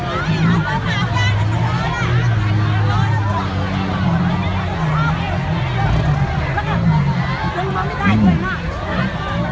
ก็ไม่มีเวลาให้กลับมาเท่าไหร่